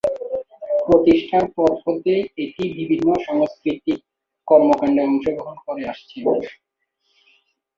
প্রতিষ্ঠার পর হতেই এটি বিভিন্ন সাংস্কৃতিক কর্মকাণ্ডে অংশগ্রহণ করে আসছে।